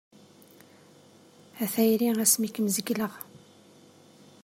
A tayri asmi kem-zegleɣ.